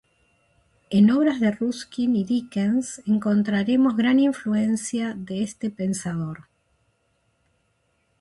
En obras de Ruskin y Dickens encontraremos gran influencia de este pensador.